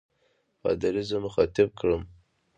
پادري زه مخاطب کړم.